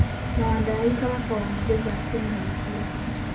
Mawanda yali Kabaka wa magezi ate nga muzira.